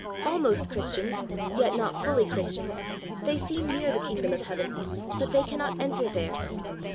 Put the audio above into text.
Almost Christians, yet not fully Christians, they seem near the kingdom of heaven, but they can not enter there.